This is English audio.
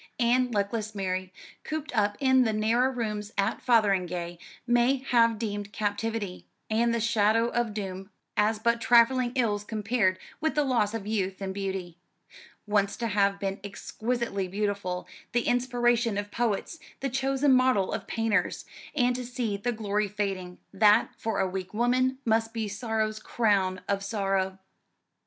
And luckless Mary, cooped up in the narrow rooms at Fotheringay, may have deemed captivity, and the shadow of doom, as but trifling ills compared with the loss of youth and beauty. Once to have been exquisitely beautiful, the inspiration of poets, the chosen model of painters, and to see the glory fading that, for a weak woman, must be sorrow's crown of sorrow.